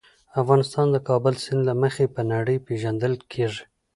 افغانستان د کابل سیند له مخې په نړۍ پېژندل کېږي.